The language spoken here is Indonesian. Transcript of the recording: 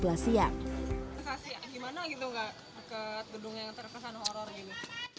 gimana gitu gak ke gedung yang terkesan horor ini